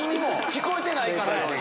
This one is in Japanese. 聞こえてないから。